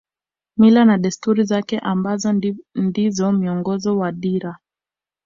Mila na desturi zake ambazo ndizo miongozo na dira